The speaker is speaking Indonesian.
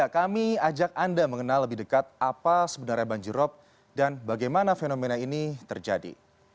kami ajak anda mengenal lebih dekat apa sebenarnya banjirop dan bagaimana fenomena ini terjadi